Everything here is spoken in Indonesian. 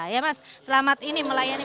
ya mas selamat ini melayani